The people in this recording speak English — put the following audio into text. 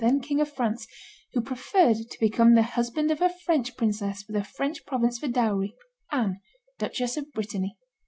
then King of France, who preferred to become the husband of a French princess with a French province for dowry, Anne, Duchess of Brittany.